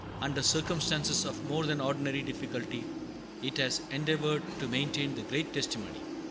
Under circumstances of more than ordinary difficulty, it has endeavored to maintain the Great Testimony.